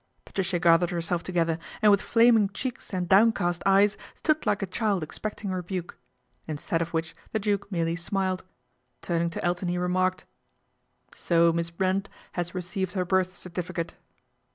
Patricia gathered herself together, and wit flaming cheeks and downcast eyes stood like child expecting rebuke, instead of which the Duk merely smiled. Turning to Elton he remarked: "So Miss Brent has received her birth certif cate."